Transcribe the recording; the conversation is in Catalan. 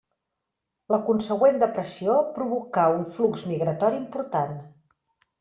La consegüent depressió provocà un flux migratori important.